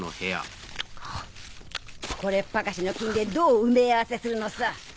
これっぱかしの金でどう埋め合わせするのさ。